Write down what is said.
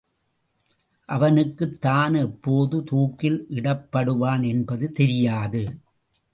அவனுக்கு, தான் எப்போது தூக்கில் இடப்படுவான் என்பது தெரியாது.